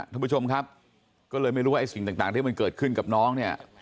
ท่านผู้ชมครับก็เลยไม่รู้ว่าไอ้สิ่งต่างที่มันเกิดขึ้นกับน้องเนี่ย